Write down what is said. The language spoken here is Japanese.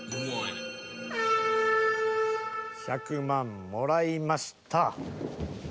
１００万もらいました。